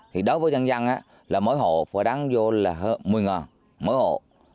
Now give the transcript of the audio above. thì đối với nhân dân á là mỗi hộ phải đáng vô là một mươi ngàn mỗi hộ